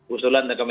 usulan nekomenda agri